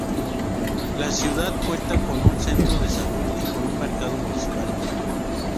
La ciudad cuenta con un Centro de Salud y con un Mercado Municipal.